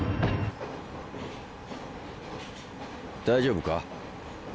大丈夫か？